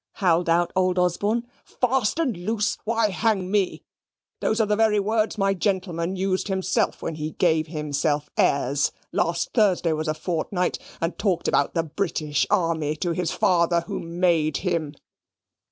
howled out old Osborne. "Fast and loose! Why, hang me, those are the very words my gentleman used himself when he gave himself airs, last Thursday was a fortnight, and talked about the British army to his father who made him.